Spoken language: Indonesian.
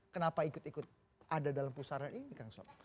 kenapa ikut ikut ada dalam pusaran ini kang sob